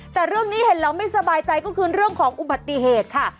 แต่เรื่องนี้เห็นแล้วไม่สบายใจก็คือเรื่องของอุบัติเหตุค่ะ